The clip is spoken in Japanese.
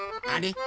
あれ？